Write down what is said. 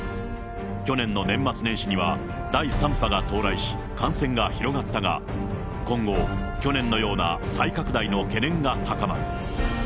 去年の年末年始には、第３波が到来し、感染が広がったが、今後、去年のような再拡大の懸念が高まる。